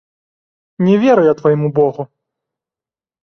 Не веру я твайму богу.